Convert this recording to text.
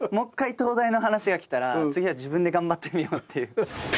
い東大の話が来たら次は自分で頑張ってみようっていう。